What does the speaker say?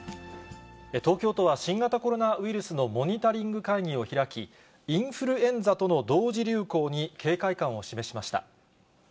東京都は、新型コロナウイルスのモニタリング会議を開き、インフルエンザとの同時流行に警戒感を示しました。